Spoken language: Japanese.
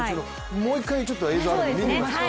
もう一回映像があるので見てみましょう。